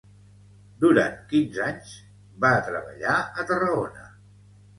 Durant quins anys va treballar a Tarragona?